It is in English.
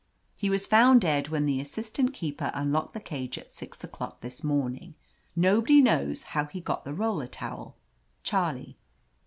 He was found dead when the assistant keeper unlocked the cage at six o'clock this morning. Nobody knows how he got the roller towel. Charlie.'